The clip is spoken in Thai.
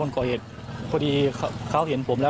ตอนนั้นเขาก็เลยรีบวิ่งออกมาดูตอนนั้นเขาก็เลยรีบวิ่งออกมาดู